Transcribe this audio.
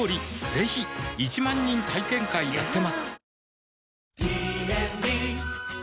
ぜひ１万人体験会やってますはぁ。